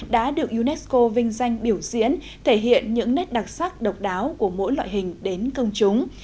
đã được unesco vinh danh biểu diễn thể hiện những nét đặc sắc độc đáo của mỗi loại hình đến công chúng